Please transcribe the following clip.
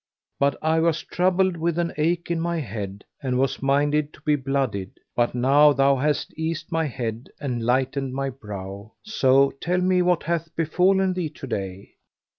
But I was troubled with an ache in my head and was minded to be blooded, but now thou hast eased my head and lightened my brow; so tell me what hath befallen thee to day."